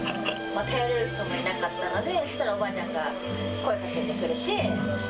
頼れる人もいなかったので、そしたら、おばあちゃんから声かけてくれて。